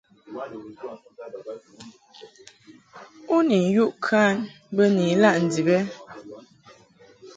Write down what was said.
U ni yuʼ kan bə ni ilaʼ ndib ɨ ?